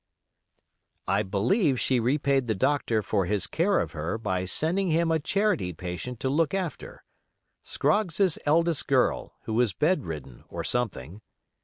I believe she repaid the doctor for his care of her by sending him a charity patient to look after—Scroggs's eldest girl, who was bedridden or something.